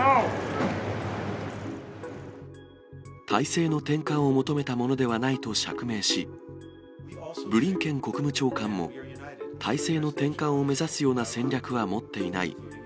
体制の転換を求めたものではないと釈明し、ブリンケン国務長官も、体制の転換を目指すような戦略は持っていない。